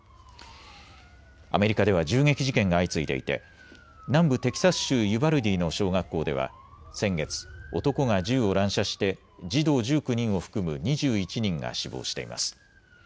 アメリカでは銃撃事件が相次いでいて南部テキサス州ユバルディの小学校では先月、男が銃を乱射して児童１９人を含む２１人が死亡しています。